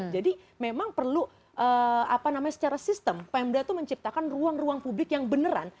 jadi memang perlu apa namanya secara sistem pemda itu menciptakan ruang ruang publik yang beneran